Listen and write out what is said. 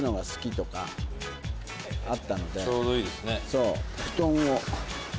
そう。